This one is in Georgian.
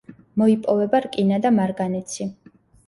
მოიპოვება რკინა და მარგანეცი.